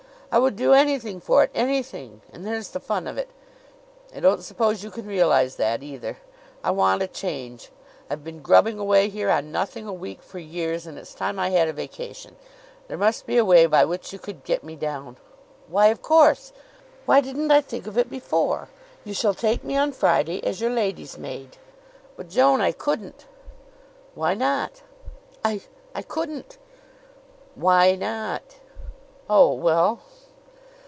I would do anything for it anything! And there's the fun of it. I don't suppose you can realize that, either. I want a change. I've been grubbing away here on nothing a week for years, and it's time I had a vacation. There must be a way by which you could get me down Why, of course! Why didn't I think of it before! You shall take me on Friday as your lady's maid!" "But, Joan, I couldn't!" "Why not?" "I I couldn't." "Why not?" "Oh, well!"